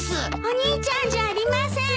お兄ちゃんじゃありません。